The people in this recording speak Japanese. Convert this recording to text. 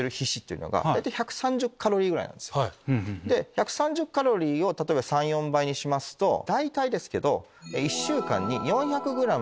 １３０カロリーを例えば３４倍にしますと大体ですけど。